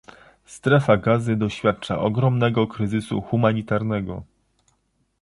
Strefa Gazy doświadcza ogromnego kryzysu humanitarnego